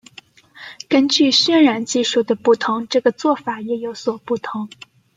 根据渲染技术的不同这个做法也有所不同。